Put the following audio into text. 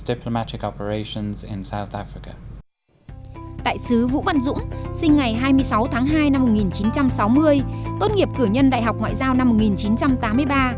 đại sứ vũ văn dũng sinh ngày hai mươi sáu tháng hai năm một nghìn chín trăm sáu mươi tốt nghiệp cử nhân đại học ngoại giao năm một nghìn chín trăm tám mươi ba